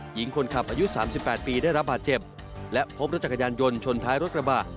หญิงคนขับอายุ๓๘ปีได้รับบาดเจ็บและพบรถจักรยานยนต์ชนท้ายรถกระบะ